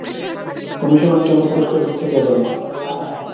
Commissioner কেন পুরষ্কার দিচ্ছে কে জানে।